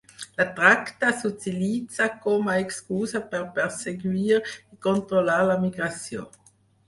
La tracta, s’utilitza com a excusa per perseguir i controlar la migració.